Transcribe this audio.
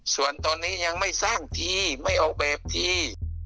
ส่วนตอนนี้ยังไม่สร้างทีไม่ออกแบบที